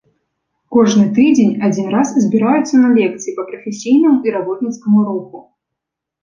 Кожны тыдзень адзін раз збіраюцца на лекцыі па прафесійнаму і работніцкаму руху.